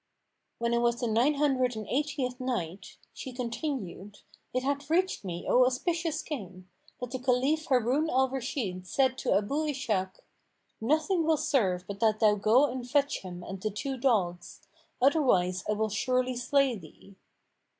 When it was the Nine Hundred and Eightieth Night, She continued, It hath reached me, O auspicious King, that the Caliph Harun al Rashid said to Abu Ishak, "Nothing will serve but that thou go and fetch him and the two dogs; otherwise I will surely slay thee."